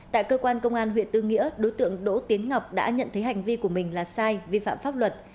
tại cơ quan công an huyện tư nghĩa đối tượng đỗ tiến ngọc đã nhận thấy hành vi của mình là sai vi phạm pháp luật